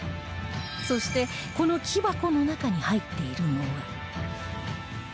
そしてこの木箱の中に入っているのは